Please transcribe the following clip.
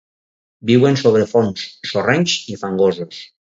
Viuen sobre fons sorrencs i fangosos.